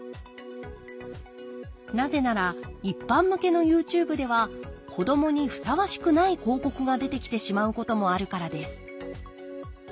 なぜなら一般向けのＹｏｕＴｕｂｅでは子どもにふさわしくない広告が出てきてしまうこともあるからです。